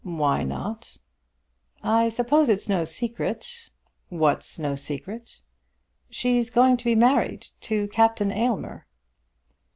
"Why not?" "I suppose it's no secret." "What's no secret?" "She's going to be married to Captain Aylmer."